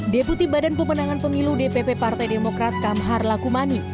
deputi badan pemenangan pemilu dpp partai demokrat kamhar lakumani